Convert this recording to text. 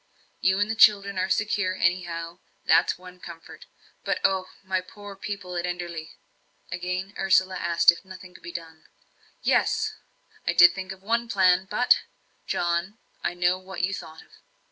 You and the children are secure anyhow, that's one comfort. But oh, my poor people at Enderley!" Again Ursula asked if nothing could be done. "Yes I did think of one plan but " "John, I know what you thought of."